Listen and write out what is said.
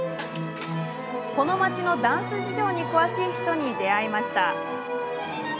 この街のダンス事情に詳しい人に出会いました。